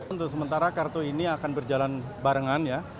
untuk sementara kartu ini akan berjalan barengan ya